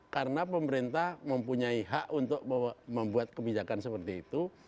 karena pemerintah mempunyai hak untuk membuat kebijakan seperti itu